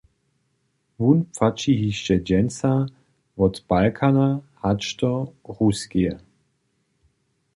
Wón płaći hišće dźensa wot Balkana hač do Ruskeje.